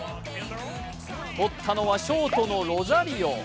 とったのはショートのロザリオ。